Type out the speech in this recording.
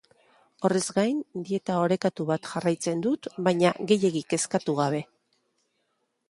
Horrez gain, dieta orekatu bat jarraitzen dut, baina gehiegi kezkatu gabe.